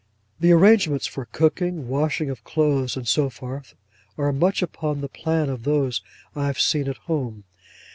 The arrangements for cooking, washing of clothes, and so forth, are much upon the plan of those I have seen at home.